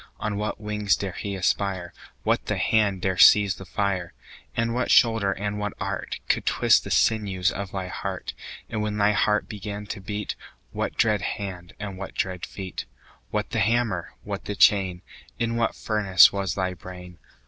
On what wings dare he aspire? What the hand dare seize the fire? And what shoulder and what art Could twist the sinews of thy heart? 10 And when thy heart began to beat, What dread hand and what dread feet? What the hammer? what the chain? In what furnace was thy brain?